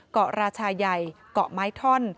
ราชายัยเกาะไม้ท่อน